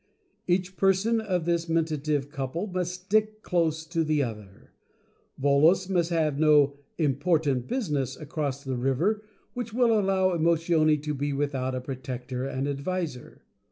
Each person of this Men tative Couple must stick close to the other. Volos must have no 'important business' across the river, which will allow Emotione to be without a protector Fable of the Mentative Couple 85 and advisor.